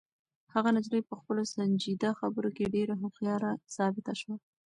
هغه نجلۍ په خپلو سنجیده خبرو کې ډېره هوښیاره ثابته شوه.